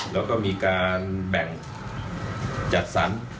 แล้วก็มีการแบ่งจัดสรร